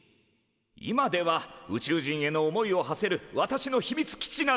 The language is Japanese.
今では宇宙人への思いをはせる私の秘密基地なのだ。